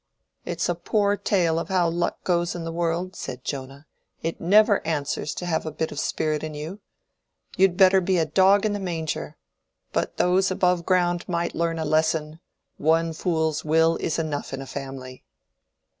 "It's a poor tale how luck goes in the world," said Jonah. "It never answers to have a bit of spirit in you. You'd better be a dog in the manger. But those above ground might learn a lesson. One fool's will is enough in a family."